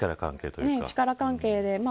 力関係が。